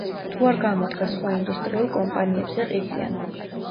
თუ არ გამოდგა სხვა ინდუსტრიულ კომპანიებზე ყიდიან.